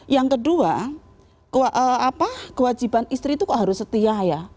yang kedua kewajiban istri itu kok harus setia ya